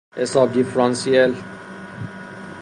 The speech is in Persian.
حساب دیفرانسیل